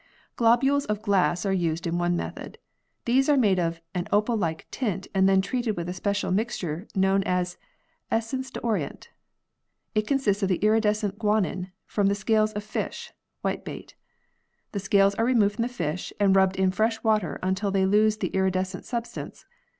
v] PEARLS 65 Globules of glass are used in one method. These are made of an opal like tint and then treated with a special mixture known as "essence d'orient." It " consists of the iridescent guanin from the scales of a fish whitebait." The scales are removed from the fish, and rubbed in fresh water until they lose the iridescent substance.